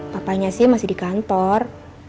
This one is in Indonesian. papanya sih masih di kantor